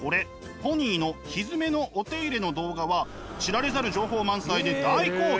「ポニーのひづめのお手入れ」の動画は知られざる情報満載で大好評。